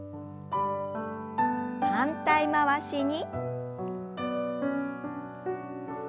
反対回しに。